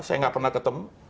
saya nggak pernah ketemu